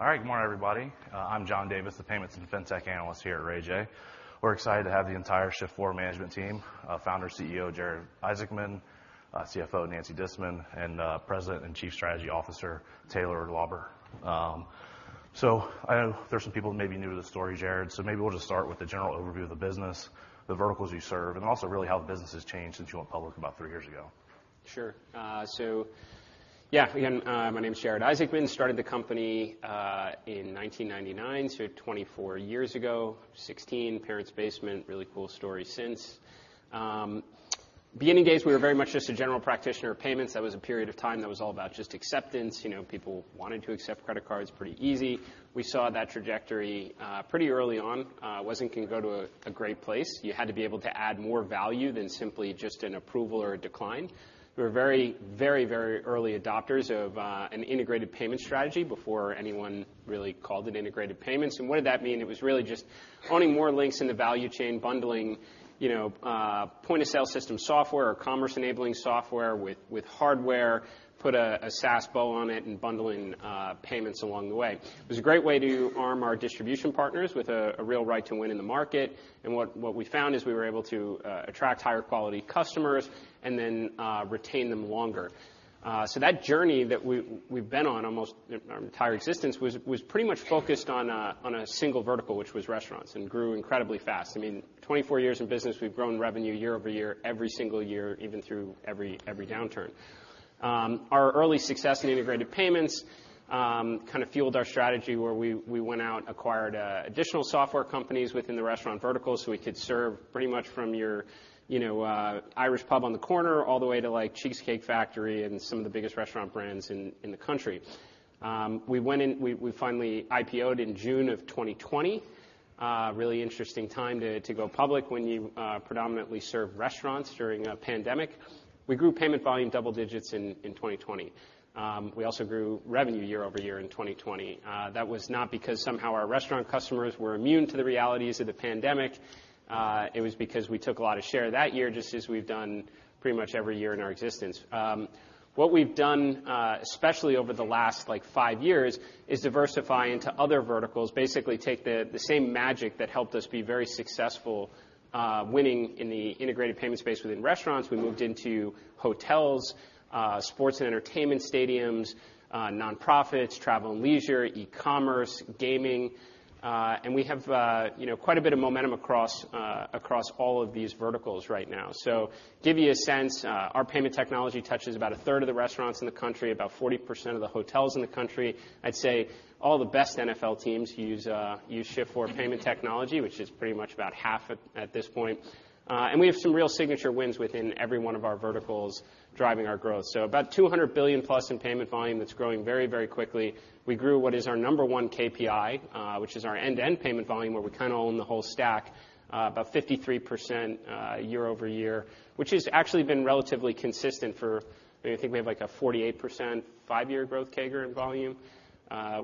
All right. Good morning, everybody. I'm John Davis, the payments and fintech analyst here at Raymond James. We're excited to have the entire Shift4 management team, our Founder/CEO, Jared Isaacman, CFO, Nancy Disman, and President and Chief Strategy Officer, Taylor Lauber. I know there's some people who may be new to the story, Jared, so maybe we'll just start with a general overview of the business, the verticals you serve, and also really how the business has changed since you went public about three years ago. Sure. Yeah. Again, my name is Jared Isaacman, started the company, in 1999, so 24 years ago. 16, parent's basement, really cool story since. Beginning days, we were very much just a general practitioner of payments. That was a period of time that was all about just acceptance. You know, people wanted to accept credit cards pretty easy. We saw that trajectory, pretty early on, wasn't going to go to a great place. You had to be able to add more value than simply just an approval or a decline. We were very, very, very early adopters of an integrated payment strategy before anyone really called it integrated payments. What did that mean? It was really just owning more links in the value chain, bundling, you know, point-of-sale system software or commerce enabling software with hardware, put a SaaS bow on it and bundling payments along the way. It was a great way to arm our distribution partners with a real right to win in the market. What we found is we were able to attract higher quality customers and then retain them longer. That journey that we've been on almost our entire existence was pretty much focused on a single vertical, which was restaurants, grew incredibly fast. I mean, 24 years in business, we've grown revenue year-over-year, every single year, even through every downturn. Our early success in integrated payments, kind of fueled our strategy where we went out, acquired additional software companies within the restaurant vertical, so we could serve pretty much from your, you know, Irish pub on the corner all the way to, like, The Cheesecake Factory and some of the biggest restaurant brands in the country. We went and we finally IPO'd in June of 2020. Really interesting time to go public when you predominantly serve restaurants during a pandemic. We grew payment volume double digits in 2020. We also grew revenue year-over-year in 2020. That was not because somehow our restaurant customers were immune to the realities of the pandemic, it was because we took a lot of share that year, just as we've done pretty much every year in our existence. What we've done, especially over the last five years, is diversify into other verticals. Basically take the same magic that helped us be very successful, winning in the integrated payment space within restaurants. We moved into hotels, sports and entertainment stadiums, nonprofits, travel and leisure, e-commerce, gaming, and we have, you know, quite a bit of momentum across all of these verticals right now. Give you a sense, our payment technology touches about a third of the restaurants in the country, about 40% of the hotels in the country. I'd say all the best NFL teams use Shift4 payment technology, which is pretty much about half at this point. We have some real signature wins within every one of our verticals driving our growth. About $200 billion-plus in payment volume that's growing very, very quickly. We grew what is our number one KPI, which is our end-to-end payment volume, where we kind of own the whole stack, about 53% year over year, which has actually been relatively consistent for, I think we have, like, a 48% five-year growth CAGR in volume,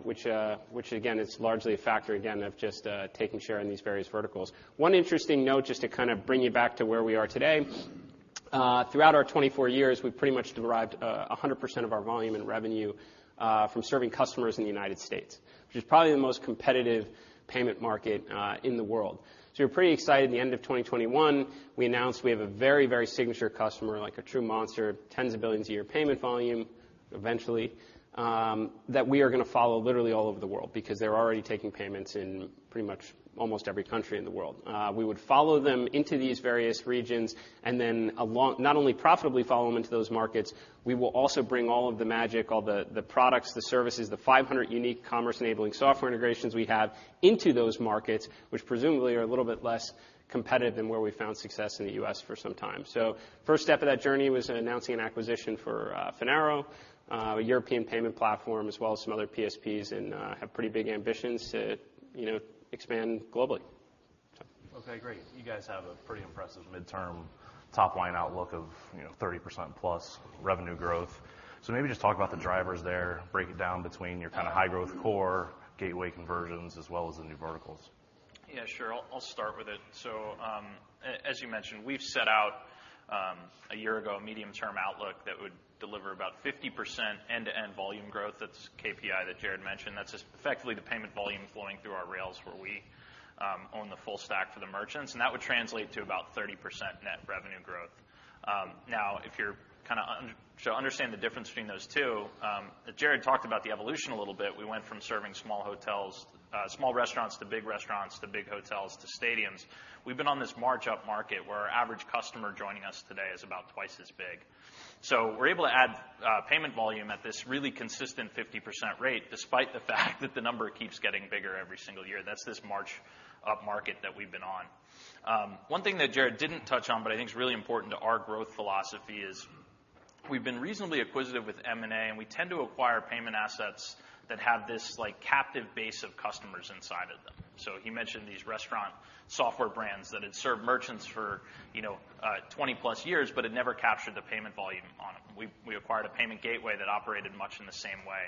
which again, is largely a factor again of just taking share in these various verticals. One interesting note, just to kind of bring you back to where we are today. Throughout our 24 years, we've pretty much derived 100% of our volume and revenue from serving customers in the United States, which is probably the most competitive payment market in the world. We were pretty excited at the end of 2021, we announced we have a very, very signature customer, like a true monster, $10s of billions a year payment volume eventually, that we are going to follow literally all over the world because they're already taking payments in pretty much almost every country in the world. We would follow them into these various regions and then not only profitably follow them into those markets, we will also bring all of the magic, all the products, the services, the 500 unique commerce enabling software integrations we have into those markets, which presumably are a little bit less competitive than where we found success in the U.S. for some time. First step of that journey was announcing an acquisition for Finaro, a European payment platform, as well as some other PSPs and have pretty big ambitions to, you know, expand globally. Okay, great. You guys have a pretty impressive midterm top-line outlook of, you know, 30%+ revenue growth. Maybe just talk about the drivers there, break it down between your kind of high-growth core gateway conversions as well as the new verticals. Yeah, sure. I'll start with it. As you mentioned, we've set out a year ago a medium-term outlook that would deliver about 50% end-to-end volume growth. That's KPI that Jared mentioned. That's effectively the payment volume flowing through our rails where we own the full stack for the merchants, and that would translate to about 30% net revenue growth. Now if you're kind of so understand the difference between those two. Jared talked about the evolution a little bit. We went from serving small hotels, small restaurants to big restaurants to big hotels to stadiums. We've been on this march up market where our average customer joining us today is about twice as big. We're able to add payment volume at this really consistent 50% rate, despite the fact that the number keeps getting bigger every single year. That's this march up market that we've been on. One thing that Jared didn't touch on, but I think is really important to our growth philosophy is we've been reasonably acquisitive with M&A, and we tend to acquire payment assets that have this, like, captive base of customers inside of them. He mentioned these restaurant software brands that had served merchants for, you know, 20-plus years, but had never captured the payment volume on them. We acquired a payment gateway that operated much in the same way.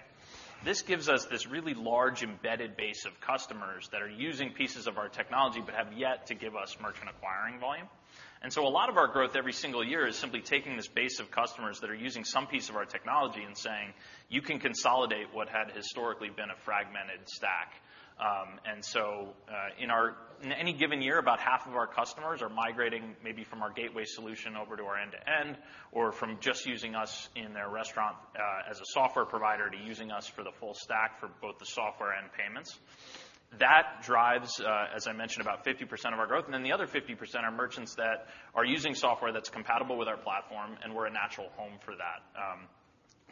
This gives us this really large embedded base of customers that are using pieces of our technology but have yet to give us merchant acquiring volume. A lot of our growth every single year is simply taking this base of customers that are using some piece of our technology and saying, "You can consolidate what had historically been a fragmented stack." In any given year, about half of our customers are migrating maybe from our gateway solution over to our end-to-end, or from just using us in their restaurant as a software provider to using us for the full stack for both the software and payments. That drives, as I mentioned, about 50% of our growth. The other 50% are merchants that are using software that's compatible with our platform, and we're a natural home for that.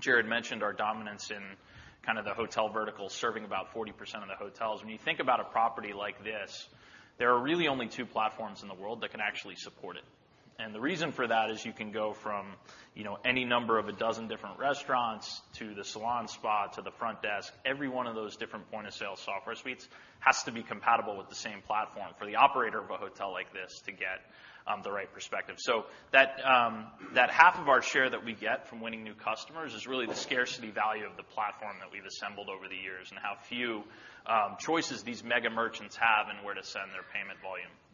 Jared mentioned our dominance in kind of the hotel vertical, serving about 40% of the hotels. When you think about a property like this, there are really only two platforms in the world that can actually support it. The reason for that is you can go from, you know, any number of a dozen different restaurants to the salon spa to the front desk, every one of those different point-of-sale software suites has to be compatible with the same platform for the operator of a hotel like this to get the right perspective. That half of our share that we get from winning new customers is really the scarcity value of the platform that we've assembled over the years, and how few choices these mega merchants have and where to send their payment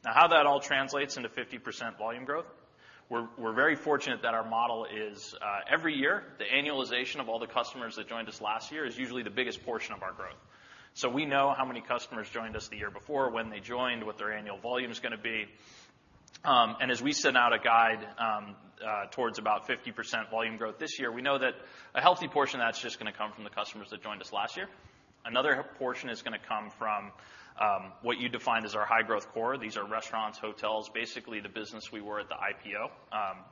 volume. How that all translates into 50% volume growth, we're very fortunate that our model is every year, the annualization of all the customers that joined us last year is usually the biggest portion of our growth. We know how many customers joined us the year before, when they joined, what their annual volume is going to be. As we send out a guide towards about 50% volume growth this year, we know that a healthy portion of that's just going to come from the customers that joined us last year. Another portion is going to come from what you defined as our high-growth core. These are restaurants, hotels, basically the business we were at the IPO,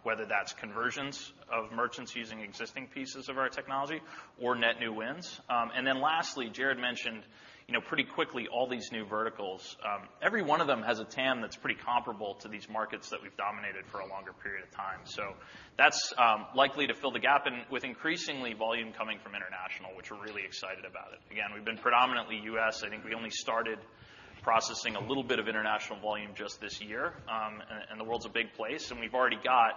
whether that's conversions of merchants using existing pieces of our technology or net new wins. Lastly, Jared mentioned, you know, pretty quickly all these new verticals. Every one of them has a TAM that's pretty comparable to these markets that we've dominated for a longer period of time. That's likely to fill the gap and with increasingly volume coming from international, which we're really excited about it. Again, we've been predominantly U.S. I think we only started processing a little bit of international volume just this year, and the world's a big place, and we've already got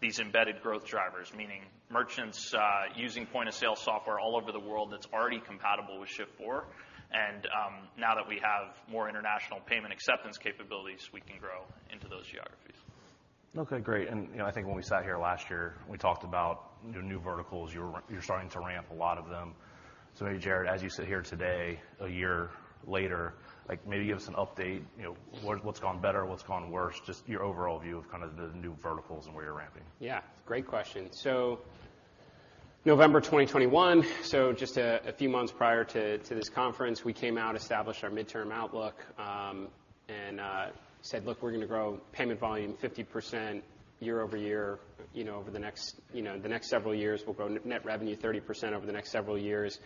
these embedded growth drivers, meaning merchants using point-of-sale software all over the world that's already compatible with Shift4. Now that we have more international payment acceptance capabilities, we can grow into those geographies. Okay, great. You know, I think when we sat here last year, we talked about your new verticals. You're starting to ramp a lot of them. Maybe, Jared, as you sit here today, a year later, like, maybe give us an update, you know, what's gone better? What's gone worse? Just your overall view of kind of the new verticals and where you're ramping? Yeah, great question. November 2021, just a few months prior to this conference, we came out, established our midterm outlook, and said, look, we're going to grow payment volume 50% year-over-year, you know, over the next, you know, the next several years. We'll grow net revenue 30% over the next several years.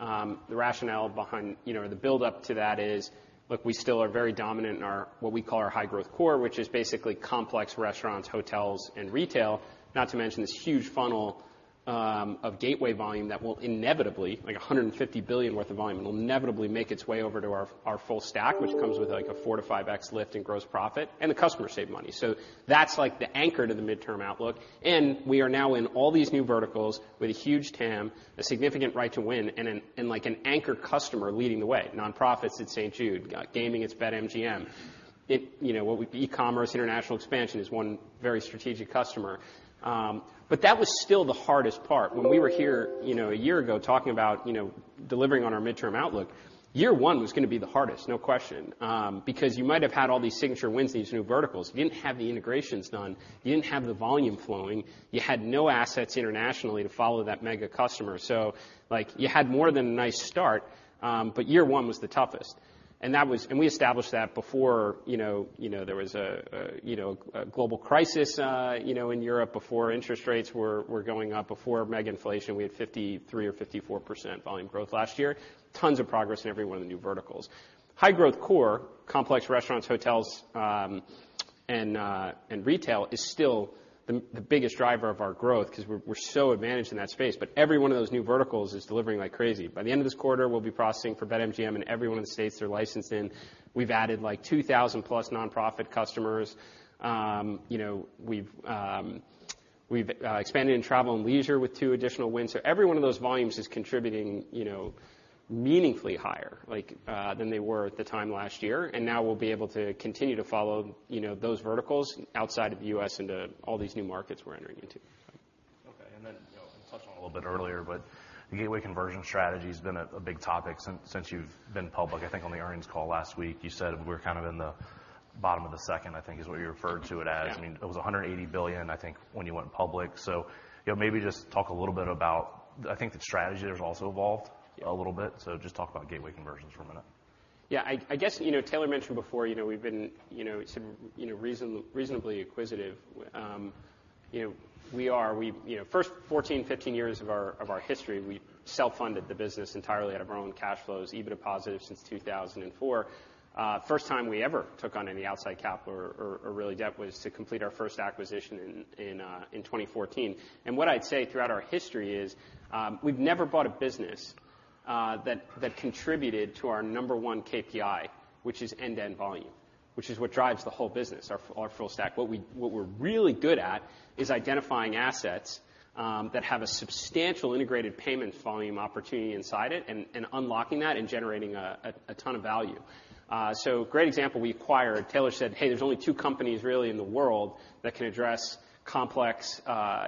The rationale behind, you know, or the build-up to that is, look, we still are very dominant in our what we call our high-growth core, which is basically complex restaurants, hotels, and retail, not to mention this huge funnel of gateway volume that will inevitably, like $150 billion worth of volume, will inevitably make its way over to our full-stack, which comes with like a 4x-5x lift in gross profit, and the customers save money. That's like the anchor to the midterm outlook. We are now in all these new verticals with a huge TAM, a significant right to win, and like an anchor customer leading the way. Nonprofits, it's St. Jude. Gaming, it's BetMGM. you know, e-commerce, international expansion is one very strategic customer. That was still the hardest part. When we were here, you know, a year ago, talking about, you know, delivering on our midterm outlook, year one was going to be the hardest, no question. Because you might have had all these signature wins, these new verticals. You didn't have the integrations done. You didn't have the volume flowing. You had no assets internationally to follow that mega customer. Like, you had more than a nice start, but year one was the toughest. We established that before, you know, there was a global crisis, you know, in Europe, before interest rates were going up, before mega inflation. We had 53% or 54% volume growth last year. Tons of progress in every one of the new verticals. High growth core, complex restaurants, hotels, and retail is still the biggest driver of our growth cause we're so advantaged in that space. Every one of those new verticals is delivering like crazy. By the end of this quarter, we'll be processing for BetMGM in every one of the states they're licensed in. We've added, like, 2,000+ nonprofit customers. You know, we've expanded in travel and leisure with two additional wins. Every one of those volumes is contributing, you know, meaningfully higher, like, than they were at the time last year. Now we'll be able to continue to follow, you know, those verticals outside of the U.S. into all these new markets we're entering into. You know, you touched on it a little bit earlier, but the gateway conversion strategy has been a big topic since you've been public. I think on the earnings call last week, you said we're kind of in the bottom of the second, I think is what you referred to it as. Yeah. I mean, it was $180 billion, I think, when you went public. you know, maybe just talk a little bit about. I think the strategy has also evolved. Yeah. a little bit. Just talk about gateway conversions for a minute. Yeah. I guess, you know, Taylor mentioned before, you know, we've been, you know, sort of reasonably acquisitive, you know, we are. You know, first 14, 15 years of our history, we self-funded the business entirely out of our own cash flows, EBITDA positive since 2004. First time we ever took on any outside capital or really debt was to complete our first acquisition in 2014. What I'd say throughout our history is, we've never bought a business that contributed to our number one KPI, which is end-to-end volume, which is what drives the whole business, our full stack. What we're really good at is identifying assets that have a substantial integrated payment volume opportunity inside it and unlocking that and generating a ton of value. Great example we acquired, Taylor said, "Hey, there's only two companies really in the world that can address complex,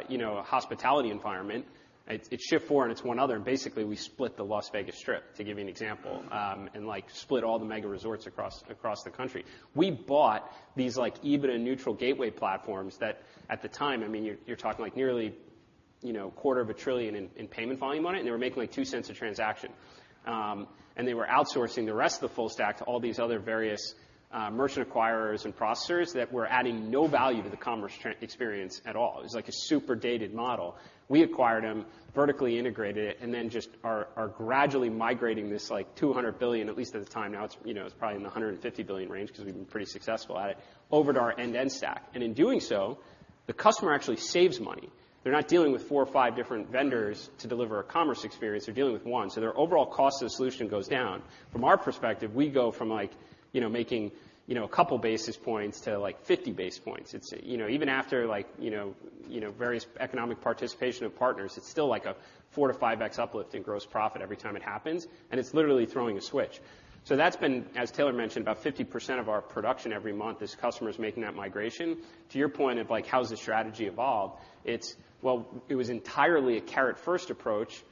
you know, hospitality environment." It's Shift4 and it's one other, and basically, we split the Las Vegas Strip, to give you an example. Like split all the mega resorts across the country. We bought these like EBITDA neutral gateway platforms that at the time, I mean, you're talking like nearly, you know, a quarter of a trillion in payment volume on it, and they were making, like, $0.02 a transaction. They were outsourcing the rest of the full stack to all these other various merchant acquirers and processors that were adding no value to the commerce experience at all. It was like a super dated model. We acquired them, vertically integrated it, just are gradually migrating this like $200 billion, at least at the time, now it's, you know, it's probably in the $150 billion range because we've been pretty successful at it, over to our end-to-end stack. In doing so, the customer actually saves money. They're not dealing with four or five different vendors to deliver a commerce experience. They're dealing with 1. Their overall cost of the solution goes down. From our perspective, we go from like, you know, making, you know, a couple basis points to like 50 basis points. It's, you know, even after like, various economic participation of partners, it's still like a 4x to 5x uplift in gross profit every time it happens, and it's literally throwing a switch. That's been, as Taylor mentioned, about 50% of our production every month is customers making that migration. To your point of like, how's the strategy evolved? Well, it was entirely a carrot first approach,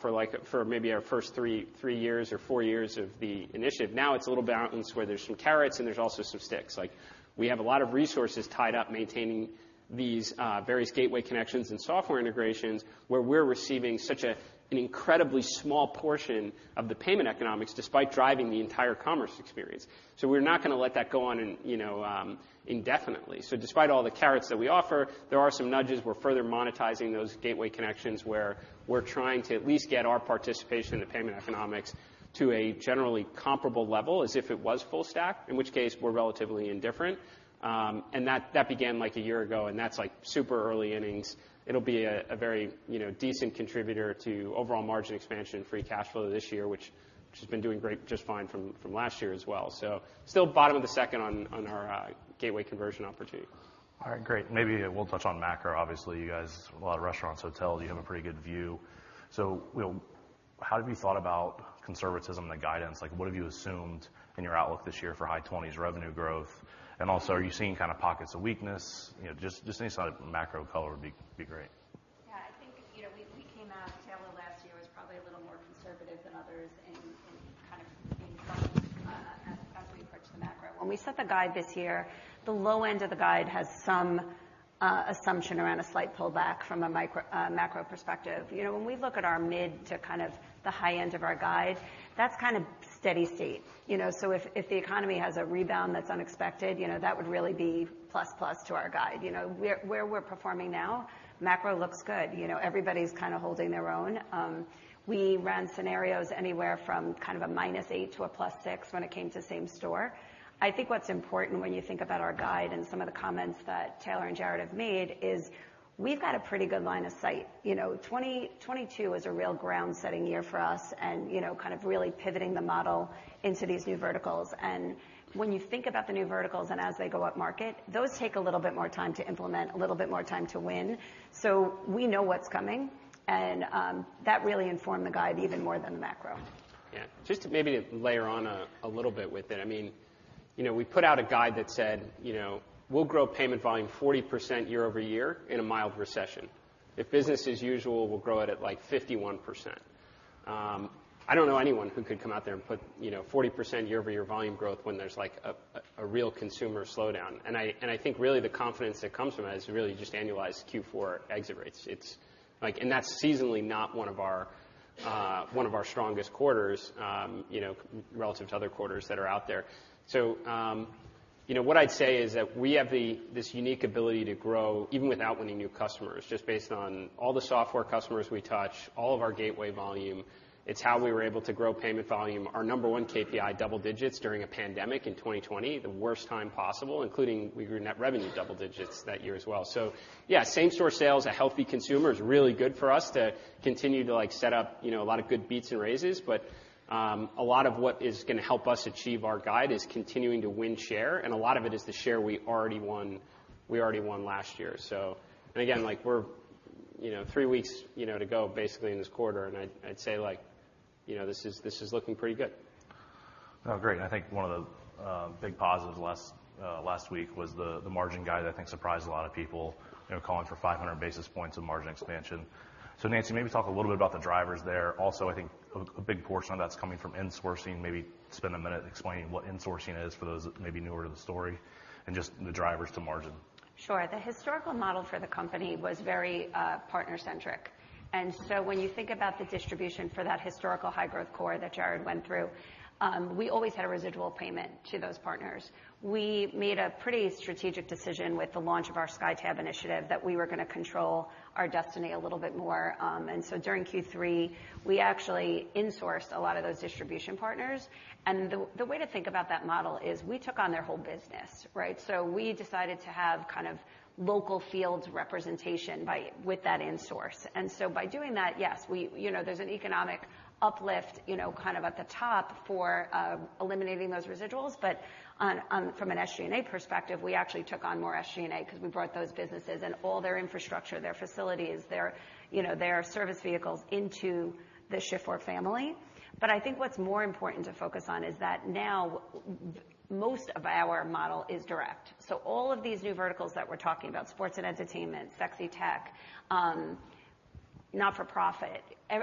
for like, for maybe our first three years or four years of the initiative. Now, it's a little balanced where there's some carrots and there's also some sticks. Like, we have a lot of resources tied up maintaining these various gateway connections and software integrations where we're receiving such an incredibly small portion of the payment economics despite driving the entire commerce experience. We're not going to let that go on and, you know, indefinitely. Despite all the carrots that we offer, there are some nudges. We're further monetizing those gateway connections where we're trying to at least get our participation in the payment economics to a generally comparable level as if it was full stack, in which case we're relatively indifferent. That began like a year ago, and that's like super early innings. It'll be a very, you know, decent contributor to overall margin expansion and free cash flow this year, which has been doing great, just fine from last year as well. Still bottom of the second on our gateway conversion opportunity. All right, great. Maybe we'll touch on macro. Obviously, you guys, a lot of restaurants, hotels, you have a pretty good view. You know, how have you thought about conservatism, the guidance? Like, what have you assumed in your outlook this year for high 20s revenue growth? Are you seeing kind of pockets of weakness? You know, just any sort of macro color would be great. Yeah. I think, you know, we came out, Taylor last year was probably a little more conservative than others in kind of being cautious as we approach the macro. When we set the guide this year, the low end of the guide has some assumption around a slight pullback from a macro perspective. You know, when we look at our mid to kind of the high end of our guide, that's kind of steady-state, you know. If the economy has a rebound that's unexpected, you know, that would really be plus plus to our guide. You know, where we're performing now, macro looks good. You know, everybody's kind of holding their own. We ran scenarios anywhere from kind of a -8 to a +6 when it came to same-store sales. I think what's important when you think about our guide and some of the comments that Taylor and Jared have made is we've got a pretty good line of sight. You know, 2022 is a real ground-setting year for us and, you know, kind of really pivoting the model into these new verticals. When you think about the new verticals and as they go up market, those take a little bit more time to implement, a little bit more time to win. We know what's coming and that really informed the guide even more than the macro. Yeah. Just to maybe layer on a little bit with it, I mean, you know, we put out a guide that said, you know, we'll grow payment volume 40% year-over-year in a mild recession. If business is usual, we'll grow it at, like, 51%. I don't know anyone who could come out there and put, you know, 40% year-over-year volume growth when there's like a real consumer slowdown. I think really the confidence that comes from that is really just annualized Q4 exit rates. It's like, and that's seasonally not one of our one of our strongest quarters, you know, relative to other quarters that are out there. You know, what I'd say is that we have this unique ability to grow even without winning new customers, just based on all the software customers we touch, all of our gateway volume. It's how we were able to grow payment volume, our number one KPI, double digits during a pandemic in 2020, the worst time possible, including we grew net revenue double digits that year as well. Yeah, same store sales, a healthy consumer is really good for us to continue to, like, set up, you know, a lot of good beats and raises. A lot of what is going to help us achieve our guide is continuing to win share, and a lot of it is the share we already won, we already won last year. Again, like we're, you know, three weeks, you know, to go basically in this quarter, I'd say like, you know, this is looking pretty good. Great. I think one of the big positives last week was the margin guide I think surprised a lot of people, you know, calling for 500 basis points of margin expansion. Nancy Disman, maybe talk a little bit about the drivers there. Also, I think a big portion of that's coming from insourcing, maybe spend a minute explaining what insourcing is for those maybe newer to the story and just the drivers to margin. Sure. The historical model for the company was very partner-centric. When you think about the distribution for that historical high growth core that Jared went through, we always had a residual payment to those partners. We made a pretty strategic decision with the launch of our SkyTab initiative that we were going to control our destiny a little bit more. During Q3, we actually insourced a lot of those distribution partners. The way to think about that model is we took on their whole business, right? So we decided to have kind of local field representation with that insource. By doing that, yes, we, you know, there's an economic uplift, you know, kind of at the top for eliminating those residuals. From an SG&A perspective, we actually took on more SG&A because we brought those businesses and all their infrastructure, their facilities, their, you know, their service vehicles into the Shift4 family. I think what's more important to focus on is that now most of our model is direct. All of these new verticals that we're talking about, sports and entertainment, sexy tech, Not for profit.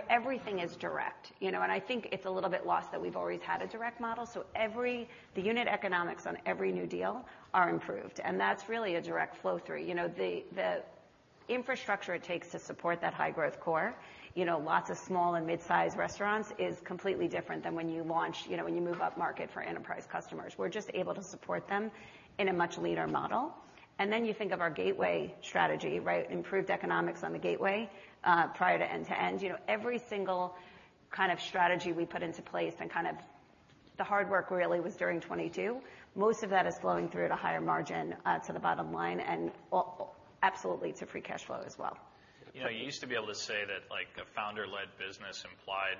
Everything is direct, you know, I think it's a little bit lost that we've always had a direct model. The unit economics on every new deal are improved. That's really a direct flow through. You know, the infrastructure it takes to support that high growth core, you know, lots of small and mid-sized restaurants is completely different than when you launch, you know, when you move up market for enterprise customers. We're just able to support them in a much leaner model. You think of our gateway strategy, right? Improved economics on the gateway, prior to end-to-end. You know, every single kind of strategy we put into place and kind of the hard work really was during 22. Most of that is flowing through at a higher margin, to the bottom line and absolutely to free cash flow as well. You know, you used to be able to say that like a founder-led business implied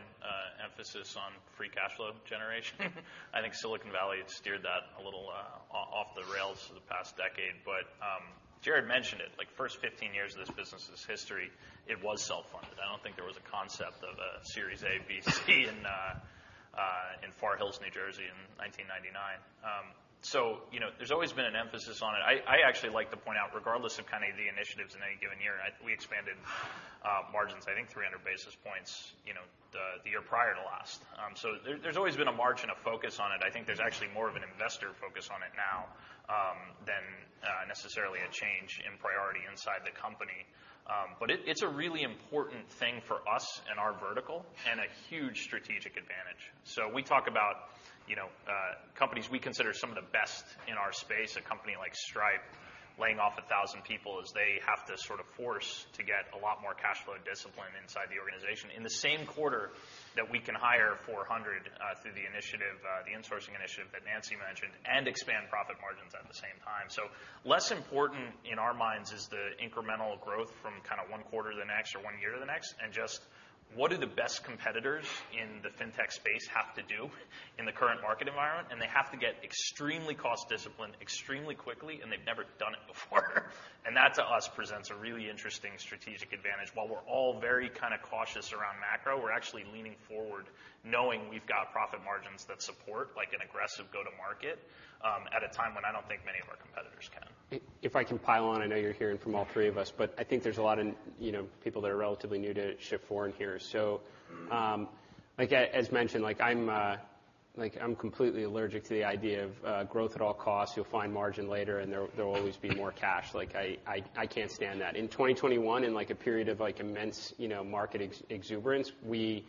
emphasis on free cash flow generation. Mm-hmm. I think Silicon Valley has steered that a little off the rails for the past decade. Jared mentioned it, like first 15 years of this business' history, it was self-funded. I don't think there was a concept of a series ABC in Far Hills, New Jersey in 1999. You know, there's always been an emphasis on it. I actually like to point out regardless of kind of the initiatives in any given year, we expanded margins, I think 300 basis points, you know, the year prior to last. There's always been a margin of focus on it. I think there's actually more of an investor focus on it now than necessarily a change in priority inside the company. But it's a really important thing for us and our vertical and a huge strategic advantage. We talk about, you know, companies we consider some of the best in our space, a company like Stripe laying off 1,000 people as they have to sort of force to get a lot more cash flow discipline inside the organization. In the same quarter that we can hire 400 through the initiative, the insourcing initiative that Nancy mentioned and expand profit margins at the same time. Less important in our minds is the incremental growth from kind of one quarter to the next or one year to the next, and just what do the best competitors in the fintech space have to do in the current market environment? They have to get extremely cost disciplined extremely quickly, and they've never done it before. That to us presents a really interesting strategic advantage. While we're all very kind of cautious around macro, we're actually leaning forward knowing we've got profit margins that support like an aggressive go to market, at a time when I don't think many of our competitors can. If I can pile on, I know you're hearing from all three of us, but I think there's a lot in, you know, people that are relatively new to Shift4 in here. as mentioned, like I'm completely allergic to the idea of growth at all costs. You'll find margin later, and there will always be more cash. Like I can't stand that. In 2021, in like a period of like immense, you know, market exuberance, we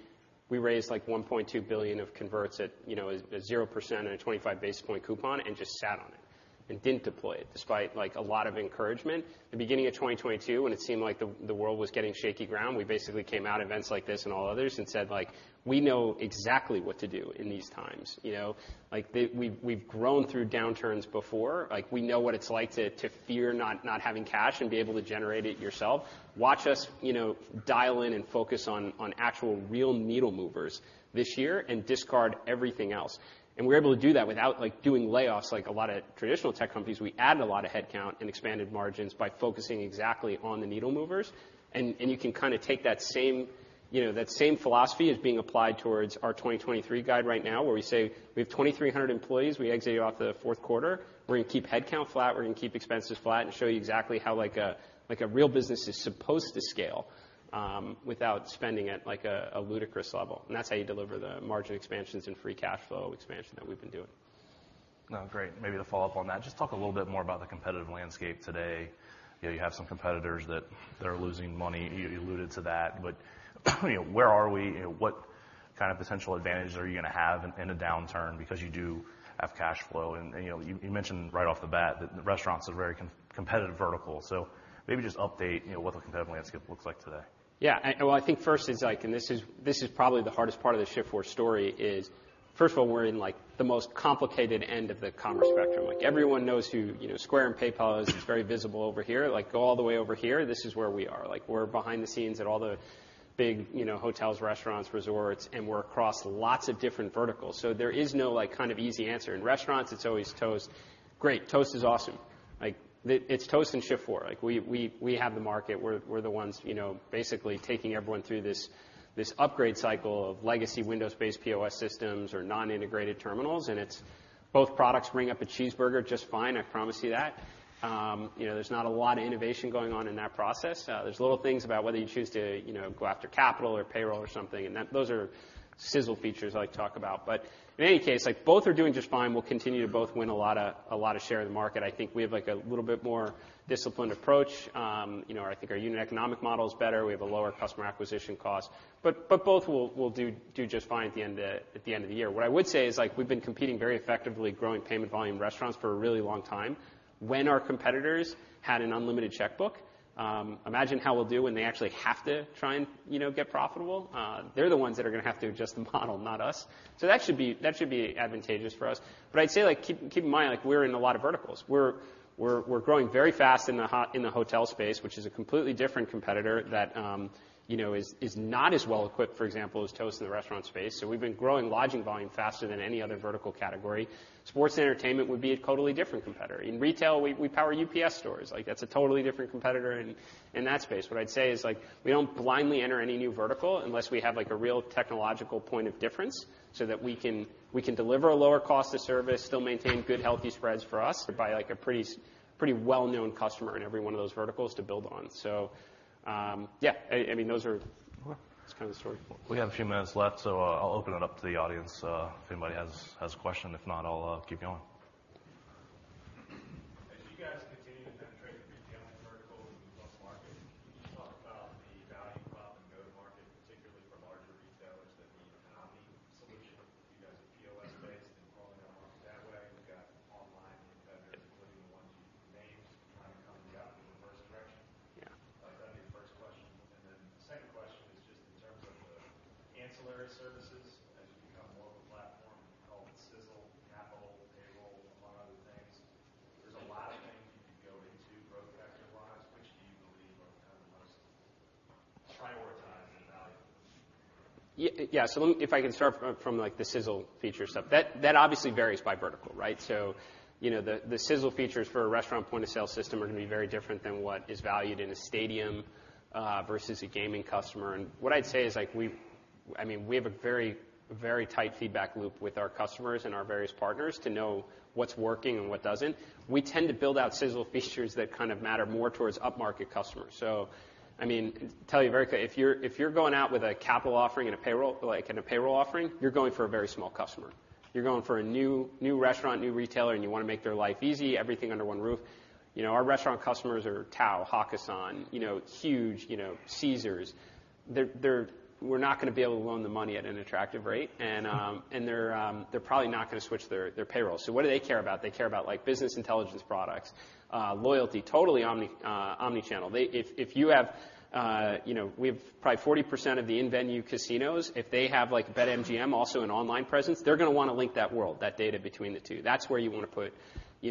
raised like $1.2 billion of converts at, you know, 0% and a 25 basis point coupon and just sat on it and didn't deploy it despite like a lot of encouragement. The beginning of 2022, when it seemed like the world was getting shaky ground, we basically came out events like this and all others and said, like, "We know exactly what to do in these times." You know? Like we've grown through downturns before. Like, we know what it's like to fear not having cash and be able to generate it yourself. Watch us, you know, dial in and focus on actual real needle movers this year and discard everything else. We're able to do that without like doing layoffs like a lot of traditional tech companies. We added a lot of headcount and expanded margins by focusing exactly on the needle movers. You can kind of take that same, you know, that same philosophy is being applied towards our 2023 guide right now, where we say we have 2,300 employees. We exited off the fourth quarter. We're going to keep headcount flat, we're going to keep expenses flat and show you exactly how like a real business is supposed to scale, without spending at like a ludicrous level, and that's how you deliver the margin expansions and free cash flow expansion that we've been doing. Great. Maybe to follow up on that, just talk a little bit more about the competitive landscape today. You know, you have some competitors that are losing money. You alluded to that. You know, where are we? What kind of potential advantage are you going to have in a downturn because you do have cash flow and you know, you mentioned right off the bat that restaurants are very competitive vertical. Maybe just update, you know, what the competitive landscape looks like today. Well, I think first is like, this is probably the hardest part of the Shift4 story is, first of all, we're in like the most complicated end of the commerce spectrum. Everyone knows who, you know, Square and PayPal is very visible over here. Go all the way over here, this is where we are. We're behind the scenes at all the big, you know, hotels, restaurants, resorts, and we're across lots of different verticals. There is no like kind of easy answer. In restaurants, it's always Toast. Great. Toast is awesome. It's Toast and Shift4. We have the market. We're the ones, you know, basically taking everyone through this upgrade cycle of legacy Windows-based POS systems or non-integrated terminals, and it's both products ring up a cheeseburger just fine, I promise you that. You know, there's not a lotta innovation going on in that process. There's little things about whether you choose to, you know, go after capital or payroll or something, those are sizzle features I like to talk about. In any case, like both are doing just fine. We'll continue to both win a lotta share of the market. I think we have like a little bit more disciplined approach. You know, I think our unit economic model is better. We have a lower customer acquisition cost, but both will do just fine at the end, at the end of the year. What I would say is like we've been competing very effectively growing payment volume restaurants for a really long time when our competitors had an unlimited checkbook. Imagine how we'll do when they actually have to try and, you know, get profitable. They're the ones that are going to have to adjust the model, not us. That should be advantageous for us. I'd say, like keep in mind, like we're in a lot of verticals. We're growing very fast in the hotel space, which is a completely different competitor that, you know, is not as well equipped, for example, as Toast in the restaurant space. We've been growing lodging volume faster than any other vertical category. Sports and entertainment would be a totally different competitor. In retail, we power UPS Stores. Like that's a totally different competitor in that space. What I'd say is like we don't blindly enter any new vertical unless we have like a real technological point of difference so that we can deliver a lower cost of service, still maintain good, healthy spreads for us by like a pretty well-known customer in every one of those verticals to build on. Yeah, I mean, those are. Cool. That's kind of the story. We have a few minutes left, so I'll open it up to the audience. If anybody has a question. If not, I'll keep going. I mean, tell you very quick, if you're going out with a capital offering and a payroll, like, and a payroll offering, you're going for a very small customer. You're going for a new restaurant, new retailer, and you want to make their life easy, everything under one roof. Our restaurant customers are Tao, Hakkasan, huge, Caesars. They're not going to be able to loan them money at an attractive rate. They're probably not going to switch their payroll. What do they care about? They care about, like, business intelligence products, loyalty, totally omnichannel. If you have, we have probably 40% of the in-venue casinos. If they have, like, BetMGM also an online presence, they're going to want to link that world, that data between the two. That's where you want to put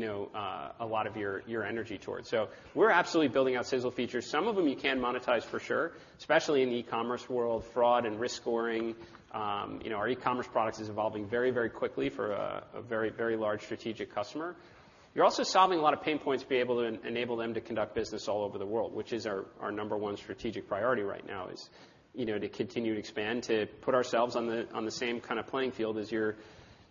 a lot of your energy towards. We're absolutely building out Sizzle features. Some of them you can monetize for sure, especially in the e-commerce world, fraud and risk scoring. You know, our e-commerce products is evolving very, very quickly for a very, very large strategic customer. You're also solving a lot of pain points to be able to enable them to conduct business all over the world, which is our number one strategic priority right now is, you know, to continue to expand, to put ourselves on the same kind of playing field as your,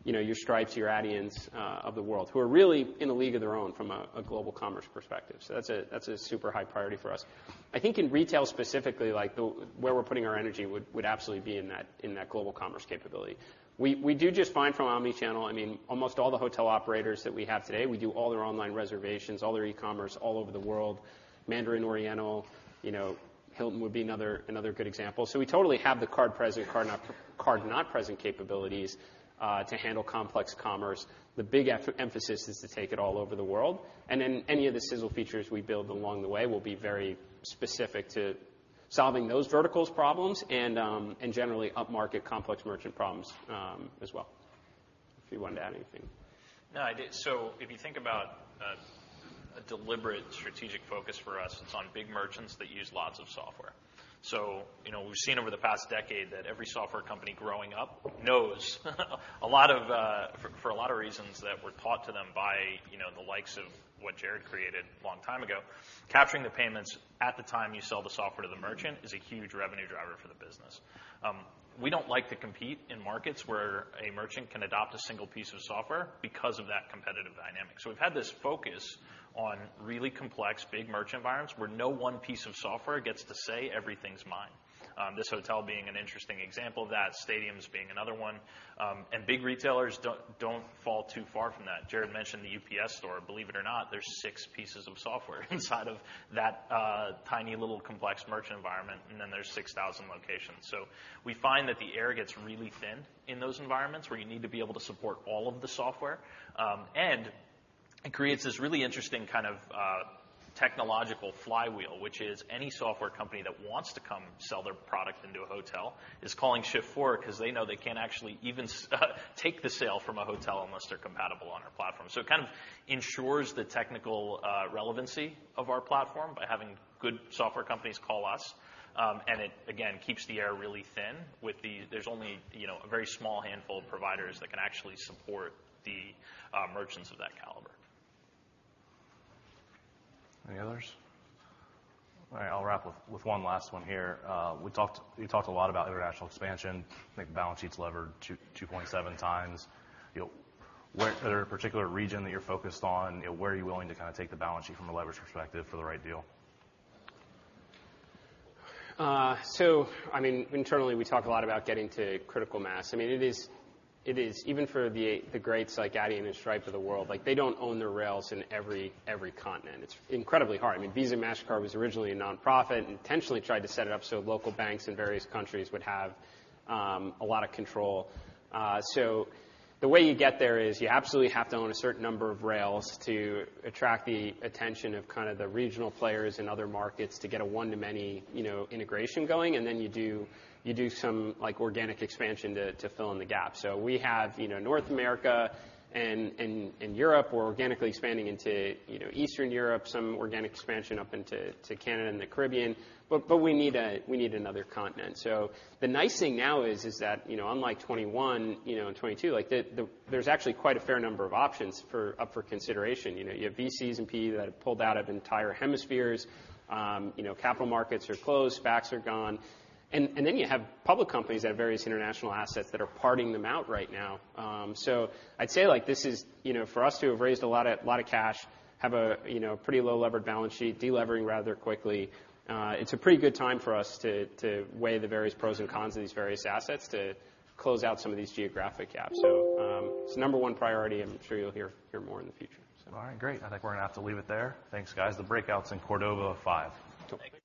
you know, your Stripes, your Adyens of the world, who are really in a league of their own from a global commerce perspective. That's a super high priority for us. I think in retail specifically, like, where we're putting our energy would absolutely be in that global commerce capability. We do just fine from omnichannel. I mean, almost all the hotel operators that we have today, we do all their online reservations, all their e-commerce all over the world. Mandarin Oriental, you know, Hilton would be another good example. We totally have the card-present, card-not-present capabilities to handle complex commerce. The big emphasis is to take it all over the world, and then any of the sizzle features we build along the way will be very specific to solving those verticals problems and generally upmarket complex merchant problems as well. If you wanted to add anything? No, I did. If you think about a deliberate strategic focus for us, it's on big merchants that use lots of software. You know, we've seen over the past decade that every software company growing up knows a lot of, for a lot of reasons that were taught to them by, you know, the likes of what Jared created a long time ago, capturing the payments at the time you sell the software to the merchant is a huge revenue driver for the business. We don't like to compete in markets where a merchant can adopt a single piece of software because of that competitive dynamic. We've had this focus on really complex, big merchant environments where no one piece of software gets to say, "Everything's mine." This hotel being an interesting example of that, stadiums being another one. Big retailers don't fall too far from that. Jared mentioned The UPS Store. Believe it or not, there's six pieces of software inside of that tiny, little, complex merchant environment, and then there's 6,000 locations. We find that the air gets really thin in those environments where you need to be able to support all of the software. It creates this really interesting kind of technological flywheel, which is any software company that wants to come sell their product into a hotel is calling Shift4 'cause they know they can't actually even take the sale from a hotel unless they're compatible on our platform. It kind of ensures the technical relevancy of our platform by having good software companies call us. It, again, keeps the air really thin. There's only, you know, a very small handful of providers that can actually support the merchants of that caliber. Any others? All right, I'll wrap up with one last one here. We talked a lot about international expansion. I think the balance sheet's levered 2.7 times. You know, is there a particular region that you're focused on? Where are you willing to kind of take the balance sheet from a leverage perspective for the right deal? I mean, internally, we talk a lot about getting to critical mass. I mean, it is even for the greats like Adyen and Stripe of the world, like, they don't own the rails in every continent. It's incredibly hard. I mean, Visa, Mastercard was originally a nonprofit, intentionally tried to set it up so local banks in various countries would have a lot of control. The way you get there is you absolutely have to own a certain number of rails to attract the attention of kind of the regional players in other markets to get a one-to-many, you know, integration going, and then you do some, like, organic expansion to fill in the gap. We have, you know, North America and Europe. We're organically expanding into, you know, Eastern Europe, some organic expansion up into, to Canada and the Caribbean. We need another continent. The nice thing now is that, you know, unlike 2021, you know, and 2022, like, there's actually quite a fair number of options up for consideration. You know, you have VCs and PE that have pulled out of entire hemispheres. You know, capital markets are closed. SPACs are gone. Then you have public companies that have various international assets that are parting them out right now. I'd say, like, this is, you know, for us who have raised a lot of, lot of cash, have a, you know, pretty low levered balance sheet, de-levering rather quickly, it's a pretty good time for us to weigh the various pros and cons of these various assets to close out some of these geographic gaps. It's the number one priority. I'm sure you'll hear more in the future. All right, great. I think we're going to have to leave it there. Thanks, guys. The breakout's in Cordova five. Cool. Thank you.